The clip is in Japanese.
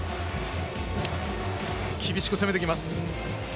厳しく攻めてきます。